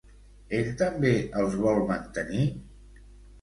Ell també els vol mantenir?